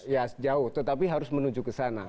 ya jauh tetapi harus menuju ke sana